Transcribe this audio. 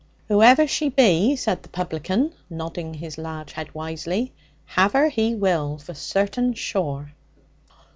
'Whoever she be,' said the publican, nodding his large head wisely, 'have her he will, for certain sure!'